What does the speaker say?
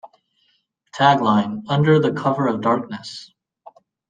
Tagline: "Under the cover of darkness".